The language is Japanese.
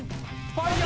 ファイア！